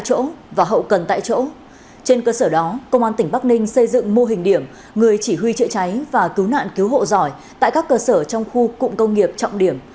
chữa cháy và cứu nạn cứu hộ giỏi tại các cơ sở trong khu cụm công nghiệp trọng điểm